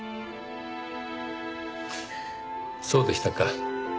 そうでしたか。